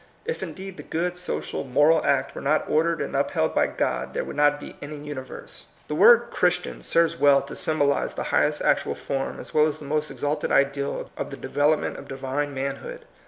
If indeed the good, social, moral act were not ordered and upheld by God, there would not be any universe. The word Christian serves well to sym bolize the highest actual form, as well as the most exalted ideal, of the development of divine manhood.